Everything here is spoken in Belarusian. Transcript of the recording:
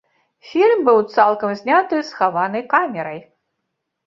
Фільм быў цалкам зняты схаванай камерай.